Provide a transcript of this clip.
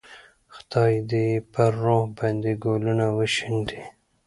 خدای دې یې پر روح باندې ګلونه وشیندي.